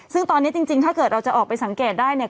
ซึ่งตอนนี้จริงถ้าเกิดเราจะออกไปสังเกตได้เนี่ย